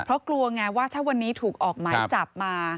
เพราะกลัวไงว่าถ้าวันนี้ถูกออกหมายจับมา